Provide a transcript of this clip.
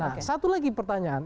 nah satu lagi pertanyaan